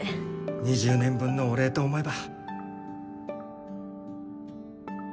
２０年分のお礼と思えば